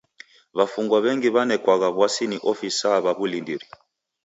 W'afungwa w'engi w'anekwagha w'asi ni ofisaa w'a w'ulindiri.